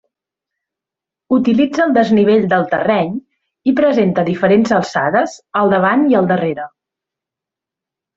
Utilitza el desnivell del terreny i presenta diferents alçades al davant i al darrere.